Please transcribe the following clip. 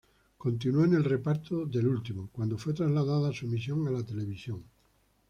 Continuó en el reparto del último, cuando fue trasladada su emisión a la televisión.